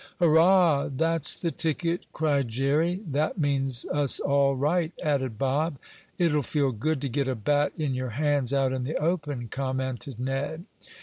_ "Hurrah! That's the ticket!" cried Jerry. "That means us all right," added Bob. "It'll feel good to get a bat in your hands out in the open," commented Ned.